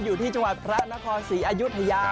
อยู่ที่จังหวัดพระนครศรีอายุทยา